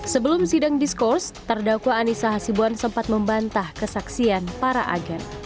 sebelum sidang diskurs terdakwa anissa hasibuan sempat membantah kesaksian para agen